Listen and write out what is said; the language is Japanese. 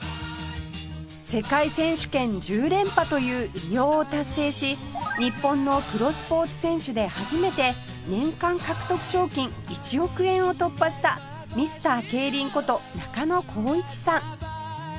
世界選手権１０連覇という偉業を達成し日本のプロスポーツ選手で初めて年間獲得賞金１億円を突破したミスター競輪こと中野浩一さん